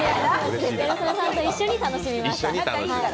ギャル曽根さんと一緒に楽しみました。